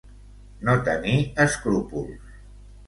No tenir escrúpols.